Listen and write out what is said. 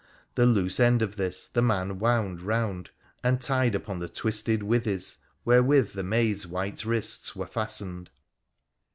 The loose end of this the man wound round and tied upon the twisted withies wherewith the maid's white wrists were fastened.